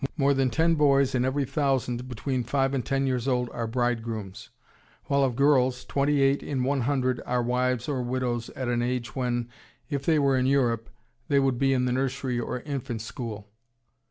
More than ten boys in every thousand between five and ten years old are bridegrooms; while of girls, twenty eight in one hundred are wives or widows at an age when, if they were in Europe, they would be in the nursery or infant school."